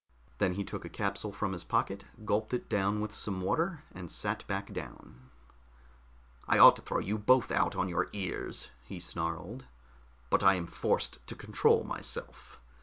Then he took a capsule from his pocket, gulped it down with some water, and sat back down. "I ought to throw you both out on your ears," he snarled. "But I am forced to control myself.